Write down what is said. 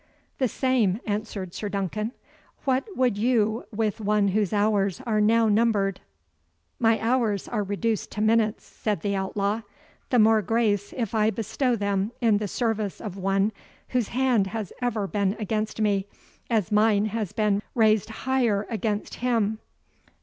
"The same," answered Sir Duncan, "what would you with one whose hours are now numbered?" "My hours are reduced to minutes," said the outlaw; "the more grace, if I bestow them in the service of one, whose hand has ever been against me, as mine has been raised higher against him."